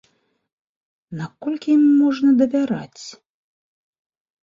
Наколькі ім можна давяраць?